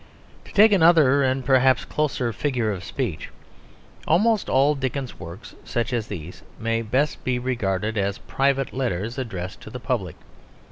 To take another and perhaps closer figure of speech, almost all Dickens's works such as these may best be regarded as private letters addressed to the public.